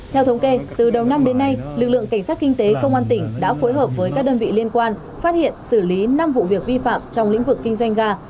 theo thống kê từ đầu năm đến nay lực lượng cảnh sát kinh tế công an tỉnh đã phối hợp với các đơn vị liên quan phát hiện xử lý năm vụ việc vi phạm trong lĩnh vực kinh doanh ga